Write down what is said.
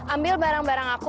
ambil barang barang aku